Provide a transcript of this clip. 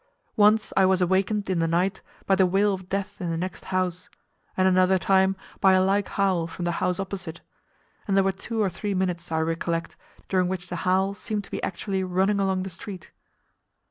Once I was awakened in the night by the wail of death in the next house, and another time by a like howl from the house opposite; and there were two or three minutes, I recollect, during which the howl seemed to be actually running along the street.